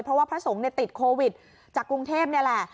เพราะว่าพระสงฆ์ติดโควิดจากกรุงเทพนี่แหละ